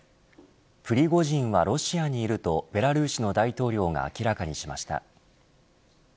プリゴジンはロシアにいるとベラルーシの大統領が明らかにしました。